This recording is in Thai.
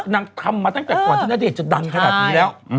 ทำมาตั้งแต่ก่อนที่ณเดชนจะดังขนาดนี้แล้ว